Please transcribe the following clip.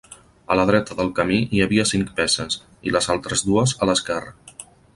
A la dreta del camí hi havia cinc peces, i les altres dues a l'esquerra.